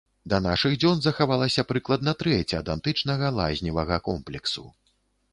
Да нашых дзён захавалася прыкладна трэць ад антычнага лазневага комплексу.